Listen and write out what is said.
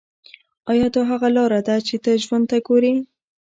ایا دا هغه لاره ده چې ته ژوند ته ګورې